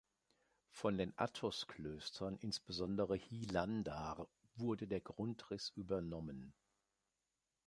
Von den Athos-Klöstern, insbesondere Hilandar, wurde der Grundriss übernommen.